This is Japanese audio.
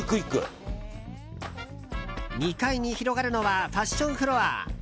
２階に広がるのはファッションフロア。